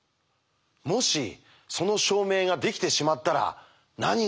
もしその証明ができてしまったら何が起きるのか。